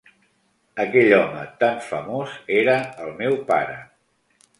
Aquell home tan famós era el meu pare.